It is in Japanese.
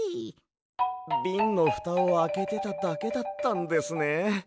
ビンのふたをあけてただけだったんですね。